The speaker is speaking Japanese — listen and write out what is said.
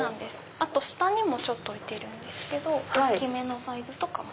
あと下にも置いてるんですけど大きめのサイズとかも。